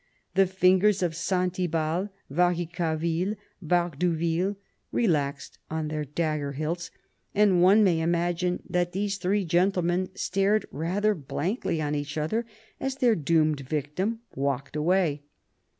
The fingers of Saint Ibal, Varicarville, Bardou ville, relaxed on their dagger hilts, and one may imagine that these three gentlemen stared rather blankly on each other as their doomed victim walked away.